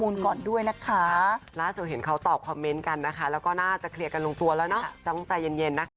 ล่าสู่เห็นเขาตอบคอมเม้นต์กันนะคะแล้วก็น่าจะเคลียร์กายลงตัวแล้วน้องใจเย็นนะ